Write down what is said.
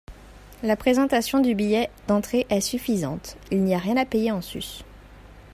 la présentation du billet d'entrée est suffisante, il n'y a rien à payer en sus.